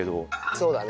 そうだね。